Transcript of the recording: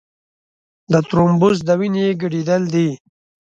د ترومبوس د وینې ګڼېدل دي.